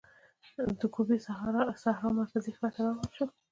د ګوبي سحرا مرکزي ښار ته راوړل شو.